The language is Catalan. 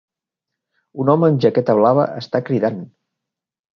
Un home amb jaqueta blava està cridant.